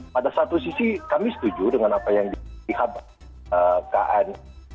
pada satu sisi kami setuju dengan apa yang dihabarkan